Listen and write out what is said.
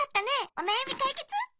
おなやみかいけつ？